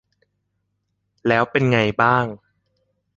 แล้วเป็นไงบ้าง